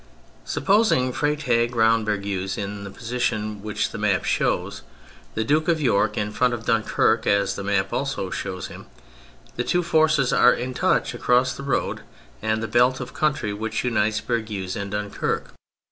Supposing Freytag round Bergues in the position which the map shows; the Duke of York in front of Dunquerque as the map also shows him; the two forces are in touch across the road and the belt of country which unites Bergues and Dunquerque.